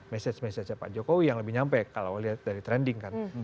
message message nya pak jokowi yang lebih nyampe kalau lihat dari trending kan